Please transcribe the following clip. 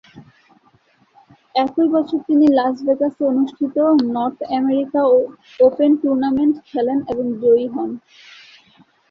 একই বছর তিনি লাস ভেগাসে অনুষ্ঠিত "নর্থ আমেরিকা ওপেন" টুর্নামেন্ট খেলেন এবং জয়ী হন।